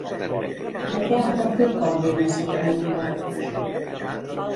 De què ha advertit Corbyn al seu comunicat?